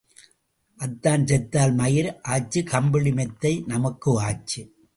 அத்தான் செத்தால் மயிர் ஆச்சு கம்பளி மெத்தை நமக்கு ஆச்சு.